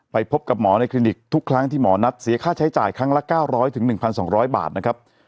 พบกับหมอในคลินิกทุกครั้งที่หมอนัดเสียค่าใช้จ่ายครั้งละ๙๐๐๑๒๐๐บาทนะครับ